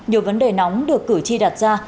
nhiều vấn đề nóng được cử tri đặt ra